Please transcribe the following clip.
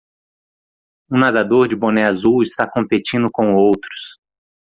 Um nadador de boné azul está competindo com outros.